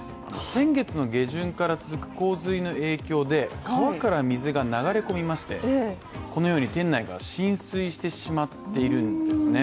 先月の下旬から続く洪水の影響で川から水が流れ込みましてこのように店内が浸水してしまっているんですね。